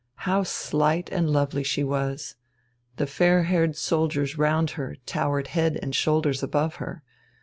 How slight and lonely she was! The fair haired soldiers round her towered head and shoulders above her.